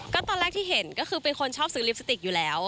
ก็ตอนแรกที่เห็นก็คือเป็นคนชอบซื้อลิปสติกอยู่แล้ว